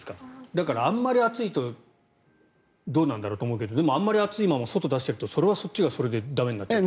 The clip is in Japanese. だからあまり熱いとどうなんだろうと思うけどでも熱いまま外に出しているとそれはそっちで駄目になっていると。